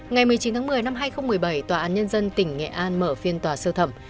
ngày một mươi chín tháng một mươi năm hai nghìn một mươi bảy tòa án nhân dân tỉnh nghệ an mở phiên tòa sơ thẩm